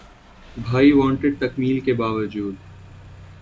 ’بھائی وانٹڈ‘ تکمیل کے باوجود